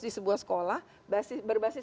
di sebuah sekolah berbasis